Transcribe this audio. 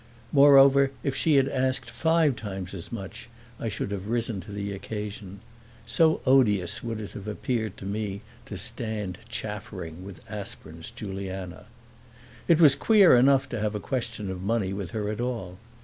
Moreover if she had asked five times as much I should have risen to the occasion; so odious would it have appeared to me to stand chaffering with Aspern's Juliana. It was queer enough to have a question of money with her at all.